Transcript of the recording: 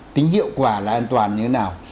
tính hiệu quả là an toàn như thế nào